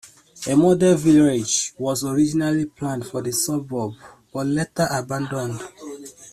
A model village was originally planned for the suburb but later abandoned.